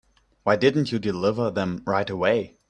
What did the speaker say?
Why didn't you deliver them right away?